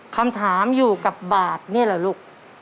คำถามอยู่กับบาทนี่เหรอลูก